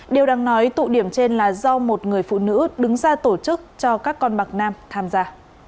điều đáng nói tụ điểm trên là do một người phụ nữ đứng ra tổ chức cho các con bạc nam tham gia